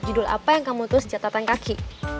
judul apa yang kamu tulis catatan kaki